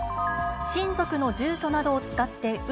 親族の住所などを使ってう